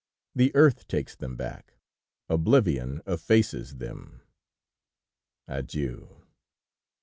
The earth takes them back, oblivion effaces them. Adieu!